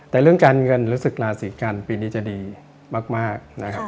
แต่เรื่องการเงินรู้สึกน่าสีกันปีนี้จะดีมาก